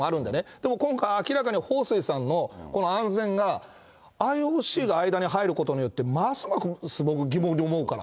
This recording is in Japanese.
でも今回、明らかにほうすいさんのこの安全がＩＯＣが間に入ることによって、ますます疑問に思うから。